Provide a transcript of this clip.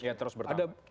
ya terus bertangkap